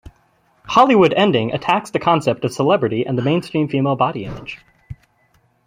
"Hollywood Ending" attacks the concept of celebrity and the mainstream female body image.